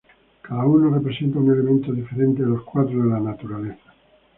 Cada una representa un elemento diferente de los cuatro de la naturaleza.